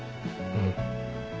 うん。